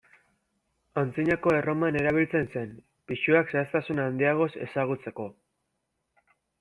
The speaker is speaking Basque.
Antzinako Erroman erabiltzen zen, pisuak zehaztasun handiagoz ezagutzeko.